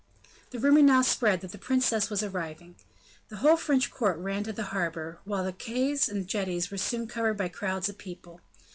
The rumor now spread that the princess was arriving. The whole French court ran to the harbor, while the quays and jetties were soon covered by crowds of people.